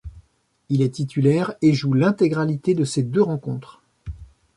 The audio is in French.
Il est titulaire et joue l'intégralité de ces deux rencontres.